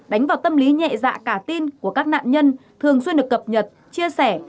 đánh vào tâm lý nhẹ dạ cả tin của các nạn nhân thường xuyên được cập nhật chia sẻ